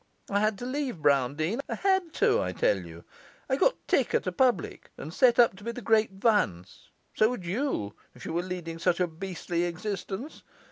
I had to leave Browndean; I had to, I tell you. I got tick at a public, and set up to be the Great Vance; so would you, if you were leading such a beastly existence!